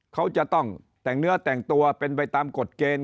เขาจะต้องแต่งเนื้อแต่งตัวเป็นไปตามกฎเกณฑ์